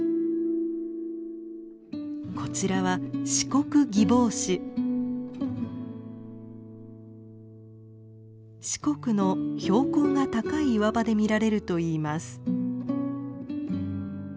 こちらは四国の標高が高い岩場で見られるといいます。